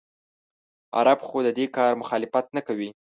عرب خو د دې کار مخالفت نه کوي.